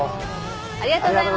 ありがとうございます。